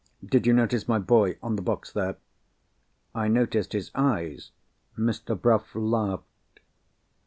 Did you notice my boy—on the box, there?" "I noticed his eyes." Mr. Bruff laughed.